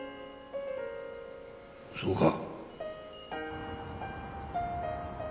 そうか。